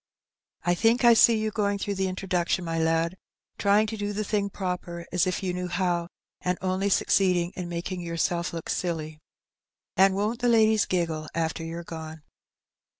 "I think I see you going through the introduction, my lad, trying to do the thing proper as if you knew how, and only succeeding in making yourself look silly. And won^t the ladies giggle after you^re gone